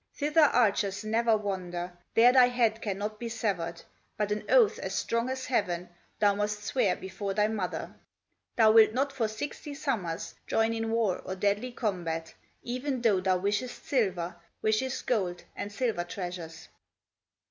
Thither archers never wander, There thy head cannot be severed; But an oath as strong as heaven, Thou must swear before thy mother; Thou wilt not for sixty summers Join in war or deadly combat, Even though thou wishest silver, Wishest gold and silver treasures."